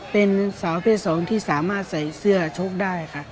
เป็นสาวพีชสองที่สามารถใส่เสื้อชกได้